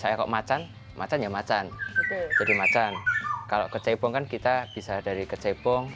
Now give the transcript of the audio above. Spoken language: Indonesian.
saya kok macan macan ya macan jadi macan kalau kecebong kan kita bisa dari kecebong